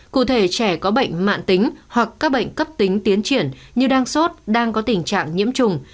cụ thể trẻ có bệnh mạng tính hoặc các bệnh cấp tính tiến triển như đang sốt đang có tình trạng nhiễm trùng